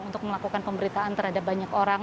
untuk melakukan pemberitaan terhadap banyak orang